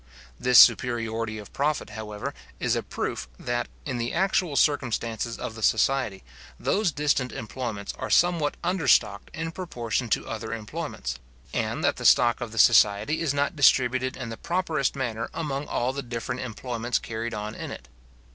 This superiority of profit, however, is a proof that, in the actual circumstances of the society, those distant employments are somewhat understocked in proportion to other employments, and that the stock of the society is not distributed in the properest manner among all the different employments carried on in it.